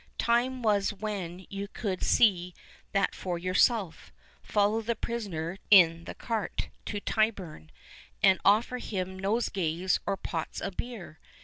Time was when you could see that for your self, follow the prisoner in the cart to Tyburn, and offer him nosegays or pots of beer.